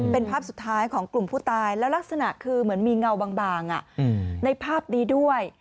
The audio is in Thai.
เป็นภาพสุดท้ายของกลุ่มผู้ตายแล้วลักษณะคือเหมือนมีเงาบางในภาพนี้ด้วย